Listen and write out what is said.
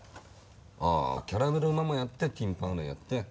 ああキャラメル・ママやってティン・パン・アレーやって。